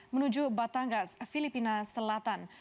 menuju batangas filipina selatan